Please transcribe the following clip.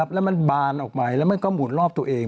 แล้วมันบานออกไปแล้วมันก็หมุนรอบตัวเอง